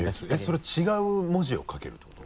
それ違う文字を書けるってこと？